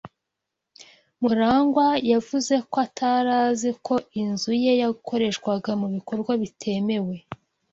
MuragwA yavuze ko atari azi ko inzu ye yakoreshwaga mu bikorwa bitemewe.